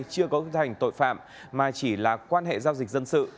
chưa có hình thành tội phạm mà chỉ là quan hệ giao dịch dân sự